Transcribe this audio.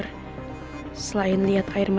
tak ada yang bisa kuatirku